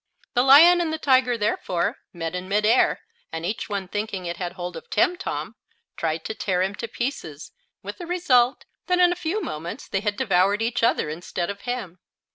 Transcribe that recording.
The lion and the tiger therefore met in mid air, and each one thinking it had hold of Timtom, tried to tear him to pieces, with the result that in a few moments they had devoured each other instead of him.